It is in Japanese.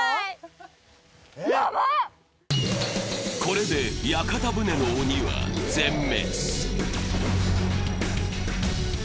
これまで屋形船の鬼は全滅。